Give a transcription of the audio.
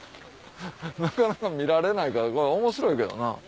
なかなか見られないから面白いけどな。